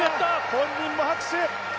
本人も拍手。